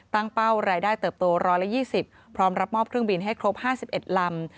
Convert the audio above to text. เป้ารายได้เติบโต๑๒๐พร้อมรับมอบเครื่องบินให้ครบ๕๑ลำ